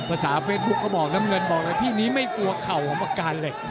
ภาษาเฟซบุ๊คเขาบอกน้ำเงินบอกเลยพี่นี้ไม่กลัวเข่าของประการเลย